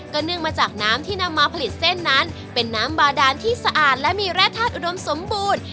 เนื่องมาจากน้ำที่นำมาผลิตเส้นนั้นเป็นน้ำบาดานที่สะอาดและมีแร่ธาตุอุดมสมบูรณ์